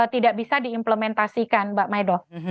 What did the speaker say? tidak bisa diimplementasikan mbak maido